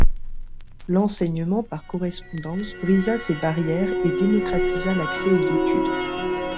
L’enseignement par correspondance brisa ses barrières et démocratisa l’accès aux études.